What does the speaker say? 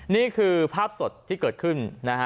นี่คือภาพสดที่เกิดขึ้นนะฮะ